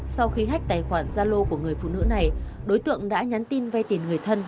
sau khi hách tài khoản gia lô của người phụ nữ này đối tượng đã nhắn tin vay tiền người thân